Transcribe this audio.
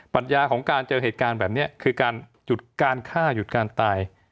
ปัญญาของการเจอเหตุการณ์แบบนี้คือการหยุดการฆ่าหยุดการตาย